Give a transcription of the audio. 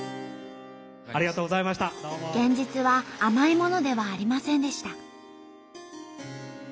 現実は甘いものではありませんでした。